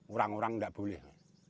orang orang nggak boleh